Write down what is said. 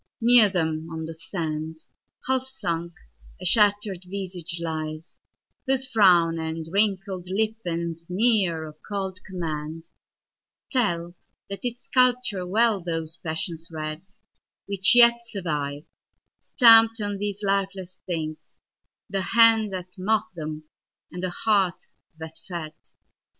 Near them on the sand, Half sunk, a shatter'd visage lies, whose frownAnd wrinkled lip and sneer of cold commandTell that its sculptor well those passions readWhich yet survive, stamp'd on these lifeless things, The hand that mock'd them and the heart that fed.